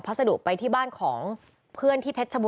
รวมถึงเมื่อวานี้ที่บิ๊กโจ๊กพาไปคุยกับแอมท์ท่านสถานหญิงกลาง